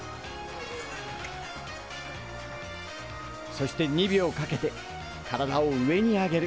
そして２秒かけて体を上に上げる。